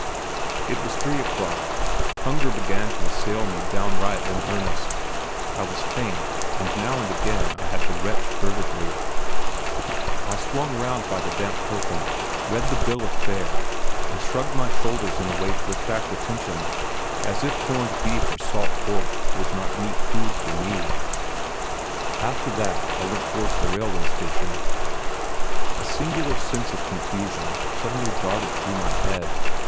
It was three o'clock. Hunger began to assail me downright in earnest. I was faint, and now and again I had to retch furtively. I swung round by the Dampkökken, [Footnote: Steam cooking kitchen and famous cheap eating house] read the bill of fare, and shrugged my shoulders in a way to attract attention, as if corned beef or salt port was not meet food for me. After that I went towards the railway station. A singular sense of confusion suddenly darted through my head.